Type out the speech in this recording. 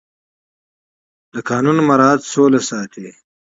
د قانون مراعت سوله ساتي